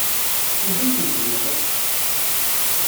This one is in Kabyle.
Anda ay tent-tezwareḍ?